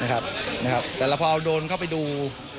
แต่เราพอเอาโดรนเข้าไปดู